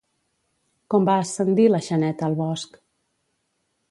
Com va ascendir la Xaneta al bosc?